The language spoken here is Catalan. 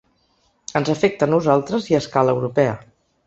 Ens afecta a nosaltres i a escala europea.